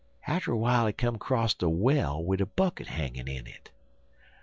Atter w'ile he come crosst a well wid a bucket hangin' in it.